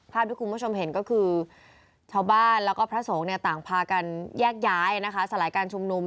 ภาพทุกคุณผู้ชมเห็นก็คือชาวบ้านและพระศกต่างพากันแยกย้ายสลายการชุมนุม